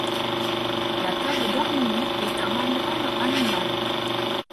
La table d'harmonie est en membrane animale.